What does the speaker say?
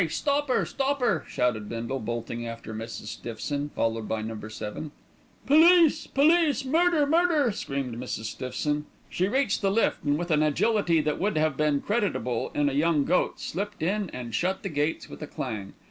stop 'er, stop 'er!" shouted Bindle, bolting after Mrs. Stiffson, followed by Number Seven. "Police, police, murder, murder!" screamed Mrs. Stiffson. She reached the lift and, with an agility that would have been creditable in a young goat, slipped in and shut the gates with a clang.